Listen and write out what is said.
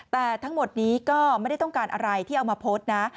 แต่ทั้งหมดนี้ก็ไม่ได้ต้องการอะไรที่เอามาโพสต์นะ